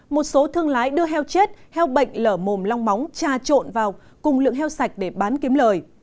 một số thương lái đưa heo chết heo bệnh lở mồm long móng tra trộn vào cùng lượng heo sạch để bán kiếm lời